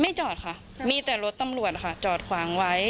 จอดค่ะมีแต่รถตำรวจค่ะจอดขวางไว้